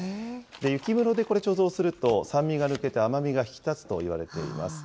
雪室でこれ、貯蔵すると酸味が抜けて、甘みが引き立つといわれています。